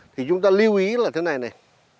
thì chúng ta lưu ý là thế này này